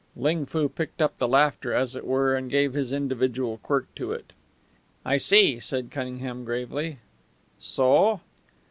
Ling Foo picked up the laughter, as it were, and gave his individual quirk to it. "I see," said Cunningham, gravely. "So?"